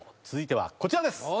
続いてはこちらです。